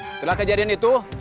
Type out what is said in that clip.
setelah kejadian itu